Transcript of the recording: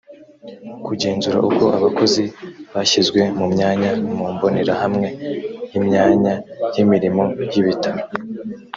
kugenzura uko abakozi bashyizwe mu myanya mu mbonerahamwe y imyanya y imirimo yibitaro